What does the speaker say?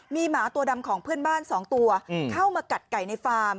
มีหมาตัวดำของเพื่อนบ้าน๒ตัวเข้ามากัดไก่ในฟาร์ม